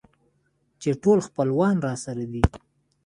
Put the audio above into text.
چې ټول خپلوان راسره دي.